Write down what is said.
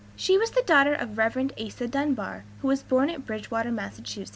She was the daughter of Rev. Asa Dunbar, who was born at Bridgewater, Mass.